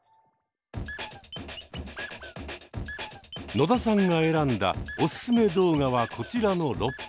野田さんが選んだおすすめ動画はこちらの６本。